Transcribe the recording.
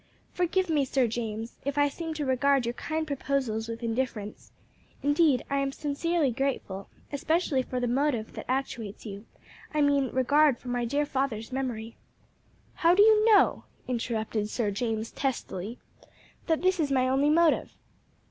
"Forgive me, Sir James, if I seem to regard your kind proposals with indifference. Indeed, I am sincerely grateful, especially for the motive that actuates you I mean regard for my dear father's memory " "How do you know, sir," interrupted Sir James testily, "that this is my only motive?"